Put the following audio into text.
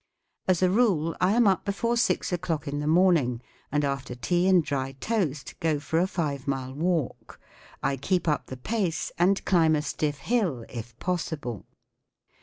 As a rule I am up be fore six o'clock in the morning, and after tea and dry toast go for a five mile walk. I keep up the pace and climb a stiff hill, if possible.